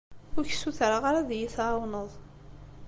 Ur ak-ssutreɣ ara ad iyi-tɛawneḍ.